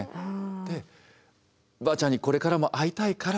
で「ばあちゃんにこれからも会いたいから」